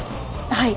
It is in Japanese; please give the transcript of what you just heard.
はい。